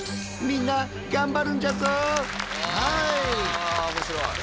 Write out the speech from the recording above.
わあ面白い。